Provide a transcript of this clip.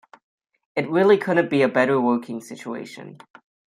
It really couldn't be a better working situation.